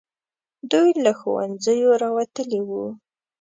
دوی له ښوونځیو راوتلي وو.